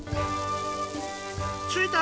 ついた！